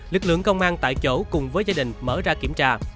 lực lượng công an tại chỗ cùng với gia đình mở ra kiểm tra